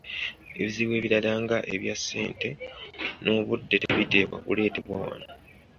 Ebizibu ebirala nga ebya ssente, n’obudde tebiteekwa kuleetebwa wano.